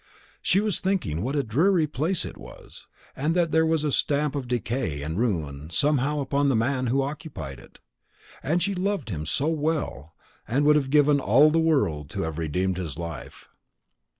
She was thinking what a dreary place it was, and that there was the stamp of decay and ruin somehow upon the man who occupied it. And she loved him so well, and would have given all the world to have redeemed his life.